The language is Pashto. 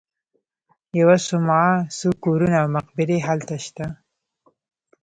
یوه صومعه، څو کورونه او مقبرې هلته شته.